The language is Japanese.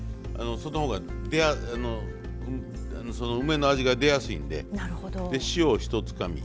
その方が梅の味が出やすいんでで塩をひとつかみ。